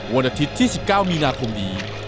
วันอาทิตย์ที่๑๙มีนาคมนี้